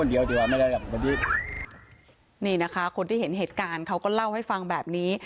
นี่นะคะคนที่เห็นเหตุการณ์เขาก็เล่าให้ฟังแบบนี้